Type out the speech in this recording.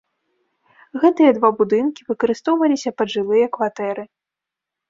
Гэтыя два будынкі выкарыстоўваліся пад жылыя кватэры.